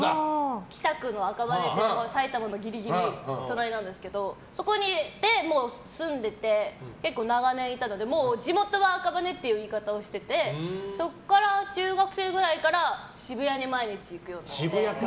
北区の赤羽っていう埼玉のギリギリ隣なんですけどそこにいて住んでて結構、長年いたのでもう地元は赤羽っていう言い方していて中学生ぐらいから渋谷に毎日行くようになって。